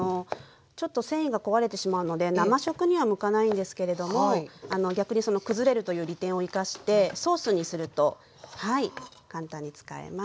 ちょっと繊維が壊れてしまうので生食には向かないんですけれども逆にその崩れるという利点を生かしてソースにするとはい簡単に使えます。